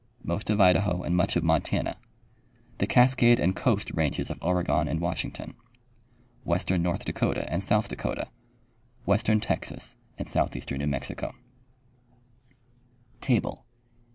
Most of Idaho and much of Montana. The Cascade and Coast ranges of Oregon and Washington. Western North Dakota and South Dakota. Western Texas and southeastern New Mexico.